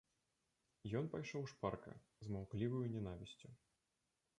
Ён пайшоў шпарка, з маўкліваю нянавісцю.